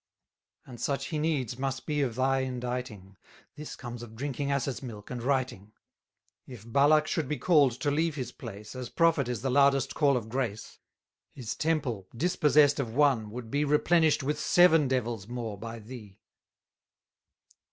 And such he needs must be of thy inditing; This comes of drinking asses' milk and writing. If Balak should be call'd to leave his place, As profit is the loudest call of grace, His temple, dispossess'd of one, would be Replenished with seven devils more by thee.